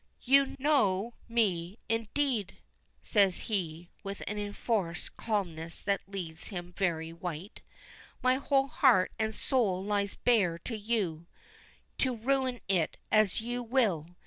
"You know me, indeed!" says he, with an enforced calmness that leaves him very white. "My whole heart and soul lies bare to you, to ruin it as you will.